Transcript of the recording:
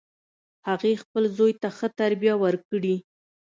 هغې خپل زوی ته ښه تربیه ورکړي